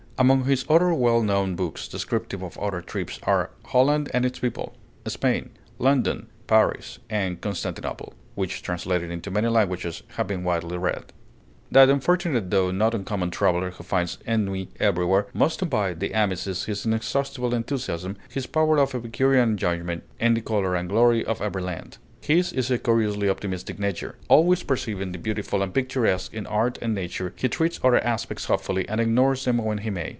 Among his other well known books, descriptive of other trips, are 'Holland and Its People,' 'Spain,' 'London,' 'Paris,' and 'Constantinople,' which, translated into many languages, have been widely read. That unfortunate though not uncommon traveler who finds ennui everywhere must envy De Amicis his inexhaustible enthusiasm, his power of epicurean enjoyment in the color and glory of every land. His is a curiously optimistic nature. Always perceiving the beautiful and picturesque in art and nature, he treats other aspects hopefully, and ignores them when he may.